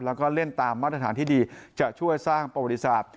แล้วก็เล่นตามมาตรฐานที่ดีจะช่วยสร้างประวัติศาสตร์